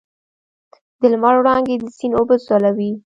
د لمر وړانګې د سیند اوبه ځلوي.